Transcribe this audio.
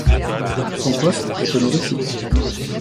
Son poste est honorifique.